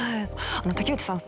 竹内さん